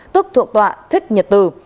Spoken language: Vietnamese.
tức thượng tọa thích nhật từ